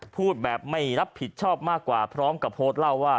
พูดแบบไม่รับผิดชอบมากกว่าพร้อมกับโพสต์เล่าว่า